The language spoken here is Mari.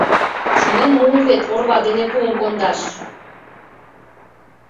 Шонен муын вет: орва дене пуым кондаш!